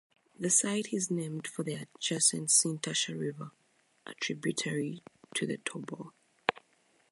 The site is named for the adjacent Sintashta River, a tributary to the Tobol.